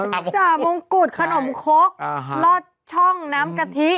จ่ามงกุฎขนมคกลอดช่องน้ำกะทิ